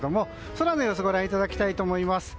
空の様子ご覧いただきたいと思います。